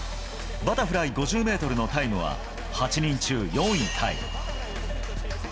バタフライ５０メートルのタイムは、８人中４位タイ。